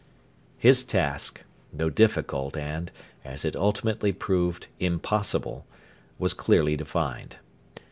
His task, though difficult and, as it ultimately proved, impossible, was clearly defined.